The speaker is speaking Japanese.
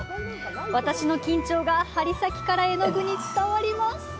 私の緊張が、針先から絵の具に伝わります。